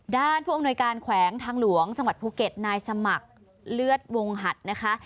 ผู้อำนวยการแขวงทางหลวงจังหวัดภูเก็ตนายสมัครเลือดวงหัดนะคะ